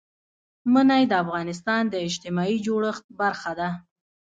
منی د افغانستان د اجتماعي جوړښت برخه ده.